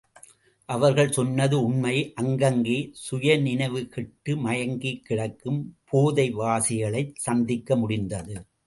அவர்கள் சொன்னது உண்மை அங்கங்கே சுயநினைவு கெட்டு மயங்கிக் கிடக்கும் போதைவாசிகளைச் சந்திக்க முடிந்தது.